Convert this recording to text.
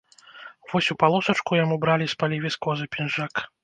Вось у палосачку яму бралі з палівіскозы пінжак.